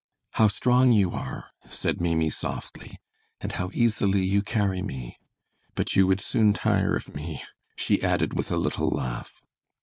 "How strong you are," said Maimie, softly, "and how easily you carry me. But you would soon tire of me," she added with a little laugh.